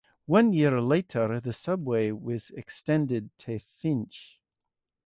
One year later, the subway was extended to Finch.